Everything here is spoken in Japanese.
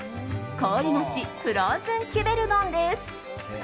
氷菓子フローズンキュベルドンです。